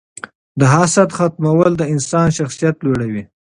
د حسد ختمول د انسان شخصیت لوړوي.